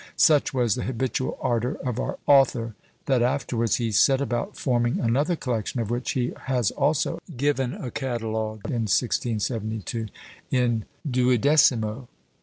Such was the habitual ardour of our author, that afterwards he set about forming another collection, of which he has also given a catalogue in 1672, in 12mo.